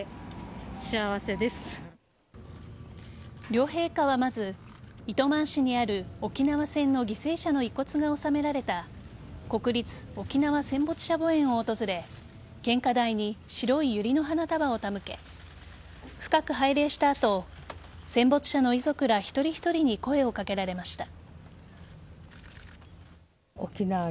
両陛下は、まず糸満市にある沖縄戦の犠牲者の遺骨が収められた国立沖縄戦没者墓苑を訪れ献花台に白いユリの花束を手向け深く拝礼した後戦没者の遺族ら一人一人に声を掛けられました。